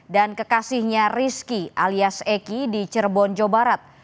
dan kekasihnya rizky alias eki di cirebon jawa barat